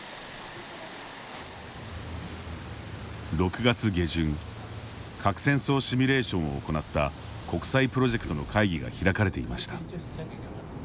６月下旬核戦争シミュレーションを行った国際プロジェクトの会議が開かれていました。